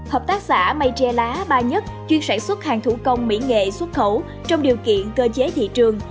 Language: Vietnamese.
hợp tác xã mây tre lá ba nhất chuyên sản xuất hàng thủ công mỹ nghệ xuất khẩu trong điều kiện cơ chế thị trường